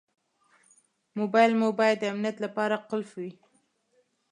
موبایل مو باید د امنیت لپاره قلف وي.